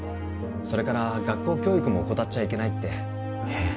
それから学校教育も怠っちゃいけないってえっ？